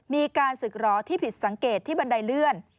มีการศึกรอที่ผิดสังเกตที่บันไดเลื่อน